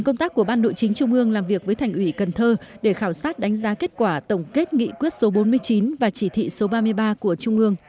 công tác của ban nội chính trung ương làm việc với thành ủy cần thơ để khảo sát đánh giá kết quả tổng kết nghị quyết số bốn mươi chín và chỉ thị số ba mươi ba của trung ương